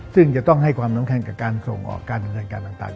ซึ่งจะต้องให้ความสำคัญกับการส่งออกการดำเนินการต่าง